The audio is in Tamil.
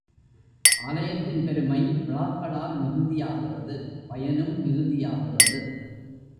ஆலயத்தின் பெருமை விழாக்களால் மிகுதியாகிறது பயனும் மிகுதியாகிறது.